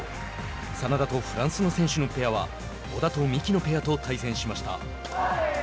眞田とフランスの選手のペアは小田と三木のペアと対戦しました。